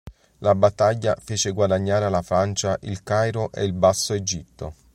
La battaglia fece guadagnare alla Francia Il Cairo e il Basso Egitto.